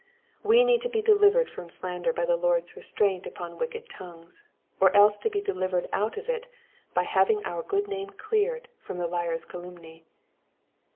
We need to be delivered from slander by the Lord's restraint upon wicked tongues, or else to be delivered out of it by having our good name cleared from the liar's calumny.